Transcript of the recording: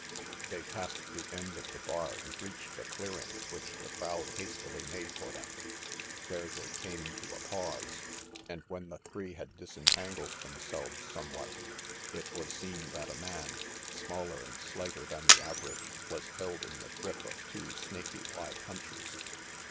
They passed the end of the bar and reached a clearing which the crowd hastily made for them. There they came to a pause and when the three had disentangled themselves some 206 RANGY PETE what it was seen that a man, smaller and sli than the average, was held in the grip of two Snaky k punchers.